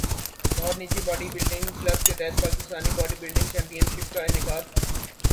لاہور نجی body building club کے تحت Pakistan body building championship کا انعقاد